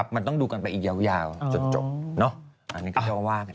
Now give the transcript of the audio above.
มันต้องดูกันไปยาวจนจบเนอะอันนี้ก็เรียกว่าว่า